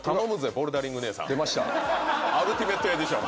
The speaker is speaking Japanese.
ボルダリング姉さん」アルティメット・エディション。